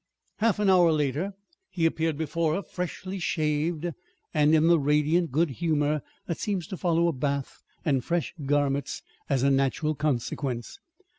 Half an hour later he appeared before her, freshly shaved, and in the radiant good humor that seems to follow a bath and fresh garments as a natural consequence.